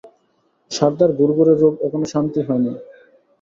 সারদার ঘুরঘুরে রোগ এখনও শান্তি হয় নাই।